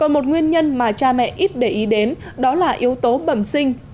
mà cha mẹ ít để ý đến đó là yếu tố bẩm sinh